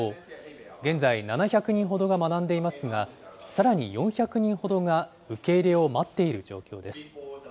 現在、７００人ほどが学んでいますが、さらに４００人ほどが受け入れを待っている状況です。